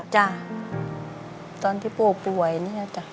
จ้ะตอนที่ปู่ป่วยนี่นะจ๊ะ